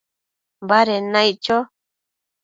baded naic cho